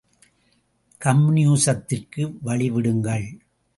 கம்யூனிஸத்திற்கு வழி விடுங்கள்.